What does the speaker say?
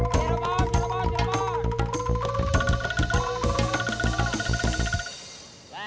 tidak ditinggalkan aja